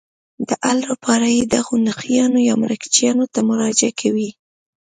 د حل لپاره یې دغو نرخیانو یا مرکچیانو ته مراجعه کوي.